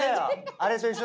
あれと一緒。